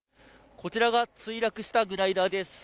こちらが墜落したグライダーです。